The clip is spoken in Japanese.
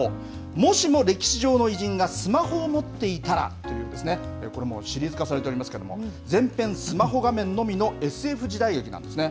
もしも歴史上の偉人がスマホを持っていたら？というこれもうシリーズ化されておりますけれども、全編スマホ画面のみのＳＦ時代劇なんですね。